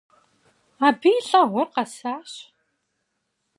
Абы и лӏэгъуэр къэсащ.